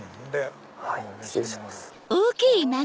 失礼します。